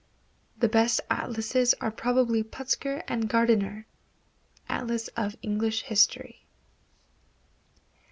The best atlases are probably Putzger, and Gardiner ("Atlas of English History").